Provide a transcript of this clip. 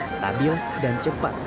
stabil dan cepat